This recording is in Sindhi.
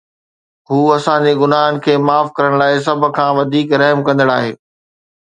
هو اسان جي گناهن کي معاف ڪرڻ لاء سڀ کان وڌيڪ رحم ڪندڙ آهي